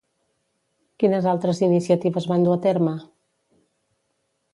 Quines altres iniciatives van dur a terme?